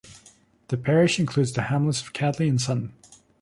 The parish includes the hamlets of Cadley and Sunton.